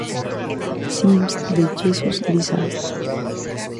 Sims de The Jesus Lizard.